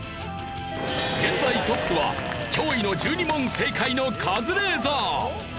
現在トップは驚異の１２問正解のカズレーザー。